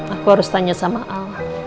aku harus tanya sama allah